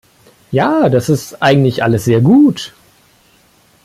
Ja, das ist eigentlich alles sehr gut.